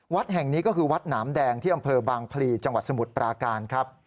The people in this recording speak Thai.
วัดแห่งนี้ก็คือวัดหนามแดงที่อำเภอบางพลีจังหวัดสมุทรปราการครับ